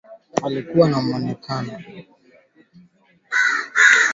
Mikakati Shujaa iliongezwa siku ya Jumatano licha ya tangazo la awali lililotolewa na jeshi la Uganda